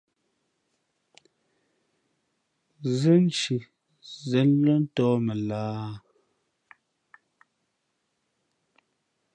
Zénshǐ Zén lά ntōh mα lahā ?